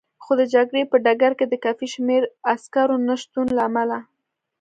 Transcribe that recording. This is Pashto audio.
خو د جګړې په ډګر کې د کافي شمېر عسکرو نه شتون له امله.